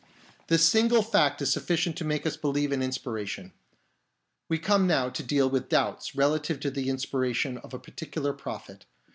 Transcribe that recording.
This single fact is sufficient to make us believe in inspiration. We now come to deal with doubts relative, to the inspiration of a particular prophet.